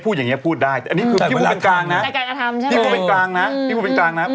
พูดอย่างนี้พูดได้แต่นี่คือพี่พูดเป็นกลางนะ